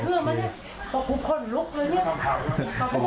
เฮ้ยเชื่อมั้ยเนี่ยพวกผู้คนลุกเลยเนี่ย